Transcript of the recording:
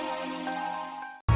ya udah aku mau